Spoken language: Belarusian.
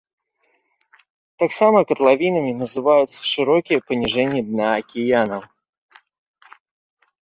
Таксама катлавінамі называюцца шырокія паніжэнні дна акіянаў.